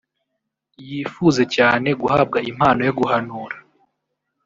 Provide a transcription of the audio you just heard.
yifuze cyane guhabwa impano yo guhanura